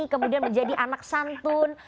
kemudian menjadi anak santun